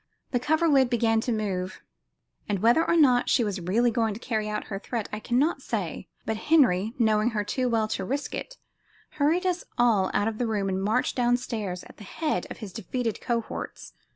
The cover lid began to move, and, whether or not she was really going to carry out her threat, I cannot say, but Henry, knowing her too well to risk it, hurried us all out of the room and marched down stairs at the head of his defeated cohorts.